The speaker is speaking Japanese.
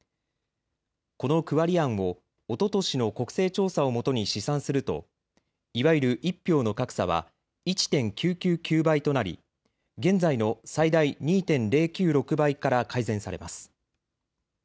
この区割り案をおととしの国勢調査をもとに試算するといわゆる１票の格差は１．９９９倍となり現在の最大２．０９６倍から改善されます。